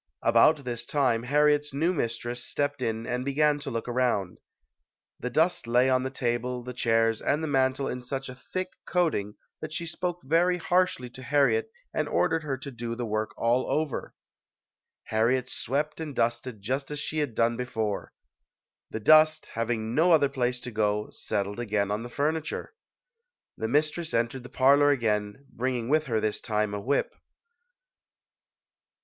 About this time, Harriet's new mistress stepped in and began to look around. The dust lay on the table, the chairs and the mantel in such a thick coating that she spoke very harshly to Harriet and ordered her to do the work all over. Har riet swept and dusted just as she had done before. The dust, having no other place to go, settled again on the furniture. The mistress en tered the parlor again, bringing with her this time a whip.